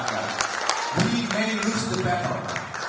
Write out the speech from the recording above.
kita bisa kalahkan perang